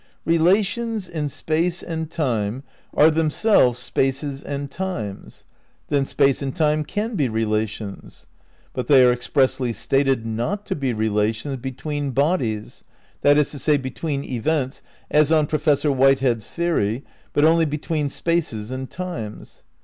Relations in space and time are themselves spaces and times. Then space and time can be relations. But they are expressly stated not to be relations between bodies, that is to say, between events, as on Professor Whitehead's theory, but only between spaces and times.